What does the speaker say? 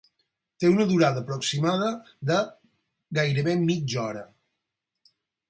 Té una durada aproximada de gairebé mitja hora.